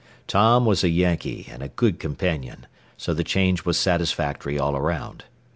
Tom was a Yankee and a good companion, so the change was satisfactory all around.